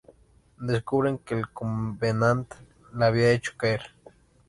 Descubren que el Covenant la había hecho caer.